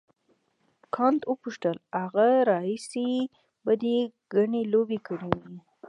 کانت وپوښتل له هغه راهیسې به دې ګڼې لوبې کړې وي.